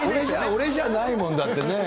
俺じゃないもん、だってねぇ。